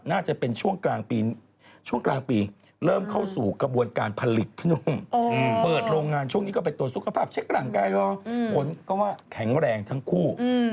มันแบบเช็คกะหลังกายแล้วผลก็ว่าแข็งแรงทั้งคู่